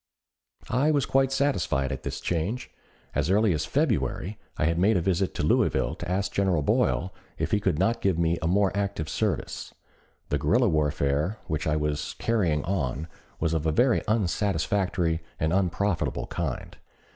I was quite satisfied at this change. As early as February I had made a visit to Louisville to ask General Boyle if he could not give me a more active service. The guerrilla warfare which I was carrying on was of a very unsatisfactory and unprofitable kind.